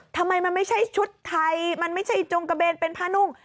ทำไมมันไม่ใช่ชุดไทยมันไม่ใช่จงกระเบนเป็นผ้านุ่ง